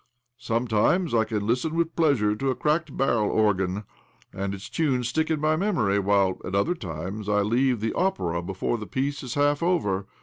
Sometimes I can listen with pleasure to a cracked barrel organ, and its tunes stick in my memory ; while at other times I leave the Opera before the piece is half over.